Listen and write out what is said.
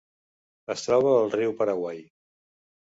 Es troba al riu Paraguai.